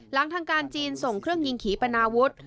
ทางการจีนส่งเครื่องยิงขี่ปนาวุฒิ